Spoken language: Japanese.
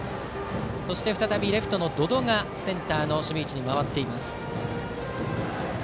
そしてレフトの百々がセンターの守備位置に回っています。